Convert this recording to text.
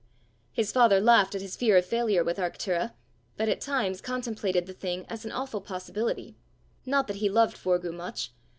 His father laughed at his fear of failure with Arctura, but at times contemplated the thing as an awful possibility not that he loved Forgue much.